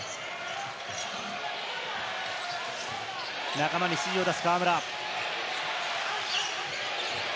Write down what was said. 仲間に指示を出す河村。